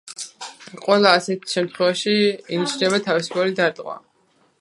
ყველა ასეთ შემთხვევაში ინიშნება თავისუფალი დარტყმა.